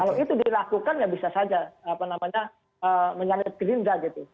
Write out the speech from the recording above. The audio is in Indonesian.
kalau itu dilakukan ya bisa saja apa namanya menyangkut gerindra gitu